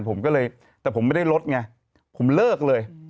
ผมก็เลยแต่ผมไม่ได้ลดไงผมเลิกเลย